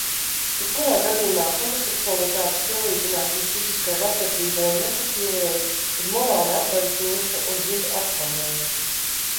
Jebkurā gadījumā homoseksualitātes pielīdzināšana fiziskai vardarbībai un nekrofilijai ir morāli atbaidoša un dziļi apkaunojoša.